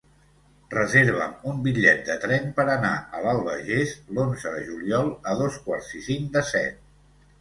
Reserva'm un bitllet de tren per anar a l'Albagés l'onze de juliol a dos quarts i cinc de set.